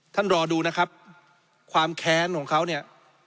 ท่านรอดูนะครับความแค้นของเขาเนี่ย